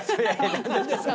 「何ですか？